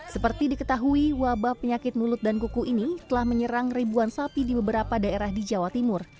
seperti diketahui wabah penyakit mulut dan kuku ini telah menyerang ribuan sapi di beberapa daerah di jawa timur